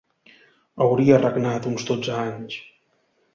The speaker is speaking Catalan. Hauria regnat uns dotze anys.